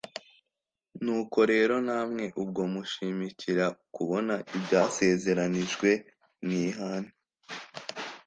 nuko rero namwe ubwo mushimikira kubona ibyasezeranijwe mwihane